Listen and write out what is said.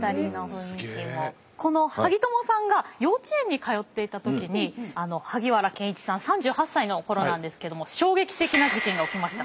このハギトモさんが幼稚園に通っていた時に萩原健一さん３８歳の頃なんですけども衝撃的な事件が起きました。